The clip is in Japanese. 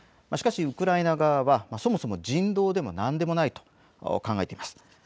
しかしウクライナ側はそもそも人道でも何でもないと考えています。